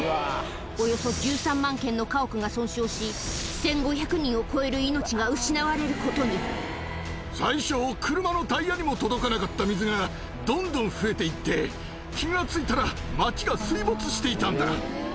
およそ１３万軒の家屋が損傷し、１５００人を超える命が失われる最初、車のタイヤにも届かなかった水が、どんどん増えていって、気が付いたら、街が水没していたんだ。